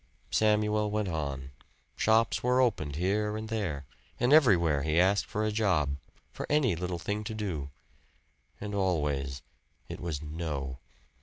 Samuel went on. Shops were opened here and there; and everywhere he asked for a job for any little thing to do and always it was No.